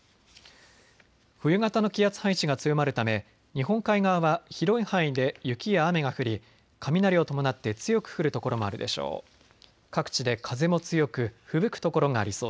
冬型の気圧配置が強まるため日本海側は広い範囲で雪や雨が降り、雷を伴って強く降る所もあるでしょう。